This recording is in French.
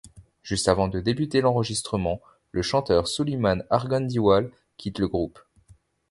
Juste avant de débuter l'enregistrement, le chanteur Suliman Arghandiwal quitte le groupe.